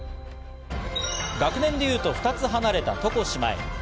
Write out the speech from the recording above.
学年で言うと２つ離れた床姉妹。